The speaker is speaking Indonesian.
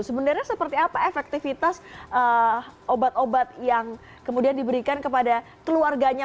sebenarnya seperti apa efektivitas obat obat yang kemudian diberikan kepada keluarganya